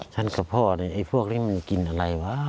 ฉันกับพ่อพวกนี้มันกินอะไรวะ